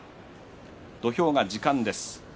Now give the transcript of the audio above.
土俵が時間です。